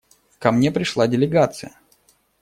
Ко мне пришла делегация.